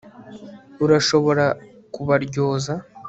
urashobora kubaryoza